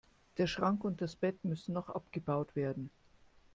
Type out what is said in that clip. Der Schrank und das Bett müssen noch abgebaut werden.